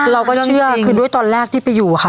เราก็เชื่อคือด้วยตอนแรกที่ไปอยู่ค่ะ